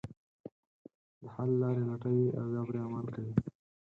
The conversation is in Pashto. د حل لارې لټوي او بیا پرې عمل کوي.